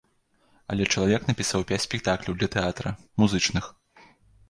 Але чалавек напісаў пяць спектакляў для тэатра, музычных.